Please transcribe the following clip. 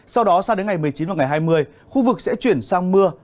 sau đó sang đến ngày một mươi chín và ngày hai mươi khu vực sẽ chuyển sang mưa